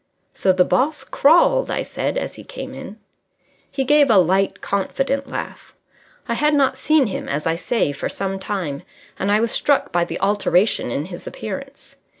"So the boss crawled?" I said, as he came in. He gave a light, confident laugh. I had not seen him, as I say, for some time, and I was struck by the alteration in his appearance.